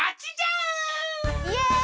イエイ！